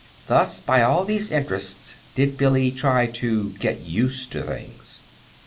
Thus, by all these interests, did Billy try "to get used to things."